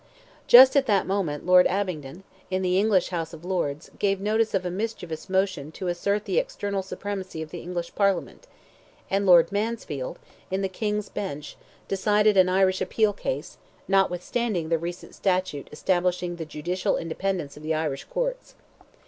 Just at that moment Lord Abingdon, in the English House of Lords, gave notice of a mischievous motion to assert the external supremacy of the English Parliament; and Lord Mansfield, in the King's Bench, decided an Irish appeal case, notwithstanding the recent statute establishing the judicial independence of the Irish courts.